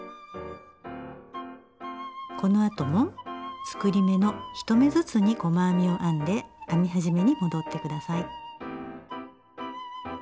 このあとも作り目の１目ずつに細編みを編んで編み始めに戻ってください。